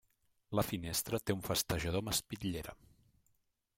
La finestra té un festejador amb espitllera.